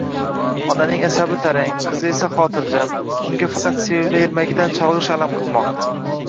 Onaning asabi tarang, qizi esa xotirjam, unga faqat sevimli ermagidan chalg‘ish alam qilmoqda.